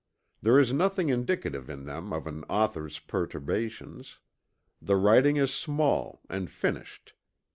There is nothing indicative in them of an author's perturbations. The writing is small and finished.